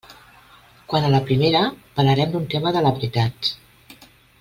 Quant a la primera, parlarem d'un tema de la veritat.